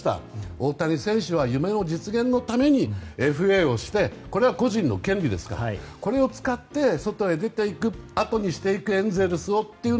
大谷選手は夢の実現のためにＦＡをして、これは個人の権利ですからこれを使って外へ出ていくエンゼルスを後にしていく。